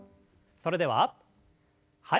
それでははい。